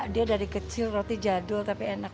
dia dari kecil roti jadul tapi enak